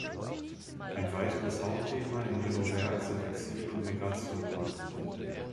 Ein weiteres Hauptthema in ihrem Werk sind Exil und Migration.